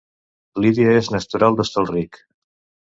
Lídia és natural d'Hostalric